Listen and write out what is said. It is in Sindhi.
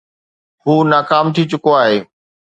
هو ناڪام ٿي چڪو آهي.